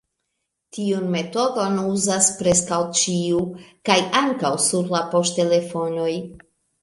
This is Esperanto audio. Tiun metodon uzas preskaŭ ĉiu kaj ankaŭ sur la poŝtelefonoj.